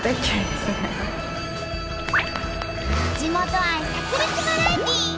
地元愛さく裂バラエティー！